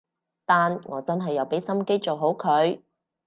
但我真係有畀心機做好佢